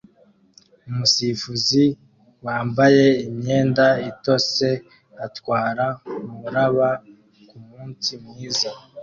Umusifuzi wambaye imyenda itose atwara umuraba kumunsi mwiza